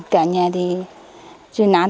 cả nhà thì trời nát